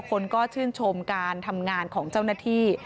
คนก็ชื่นชมการทำงานของเจ้าหน้าที่